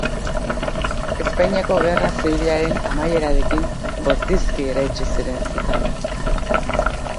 Espainiako Gerra Zibilaren amaierarekin bortizki eraitsi ziren zutabeak.